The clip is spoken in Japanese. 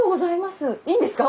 いいんですか？